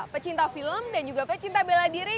pecinta film dan juga pecinta bela diri